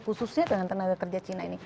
khususnya dengan tenaga kerja cina ini